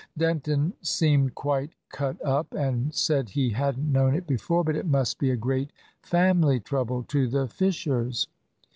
Denton seemed quite cut up, and said he hadn't known it before, but it must be a great family trouble to the Fishers.